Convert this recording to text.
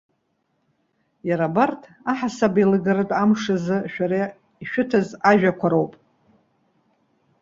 Иара абарҭ, аҳасабеилыргаратә амш азы шәара ишәыҭаз ажәақәа роуп.